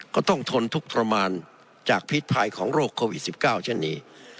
ก็ต้องทนทุกข์ทรมานจากพิษภัยของโรคโควิด๑๙เช่นนี้